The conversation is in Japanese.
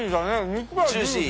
肉がジューシー。